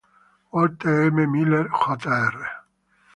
Walter M. Miller, Jr.